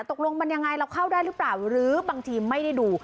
ตกลงมันยังไงเราเข้าได้หรือเปล่าหรือบางทีไม่ได้ดู